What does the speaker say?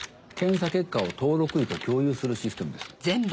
検査結果を登録医と共有するシステムです。